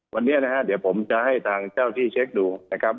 วันนี้นะครับเดี๋ยวผมจะให้ทางเจ้าที่เช็คดู